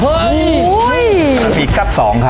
เฮ้ยอีกซับสองครับ